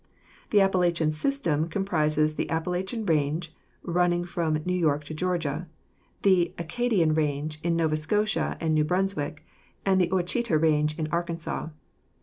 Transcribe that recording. The Appalachian system comprises the Ap palachian range, running from New York to Georgia; the Acadian range in Nova Scotia and New Brunswick, and the Ouachita range in Arkansas.